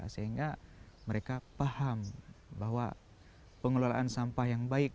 sehingga mereka paham bahwa pengelolaan sampah yang baik